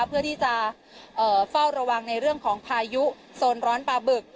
เพื่อที่จะเฝ้าระวังในเรื่องของพายุโซนร้อนปลาบึก